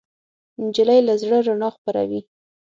نجلۍ له زړه رڼا خپروي.